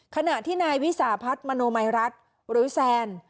ขณะที่นายวิสาพัฒน์มโนมัยรัฐหรือแซน